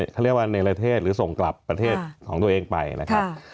เขาเรียกว่าเนรเทศหรือส่งกลับประเทศของตัวเองไปนะครับ